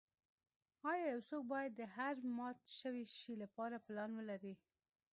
ایا یو څوک باید د هر مات شوي شی لپاره پلان ولري